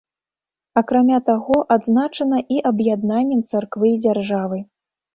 Акрамя таго, адзначана і аб'яднаннем царквы і дзяржавы.